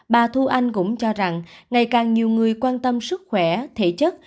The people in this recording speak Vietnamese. bà thu anh cũng cho rằng ngày càng nhiều người quan tâm sức khỏe thể chất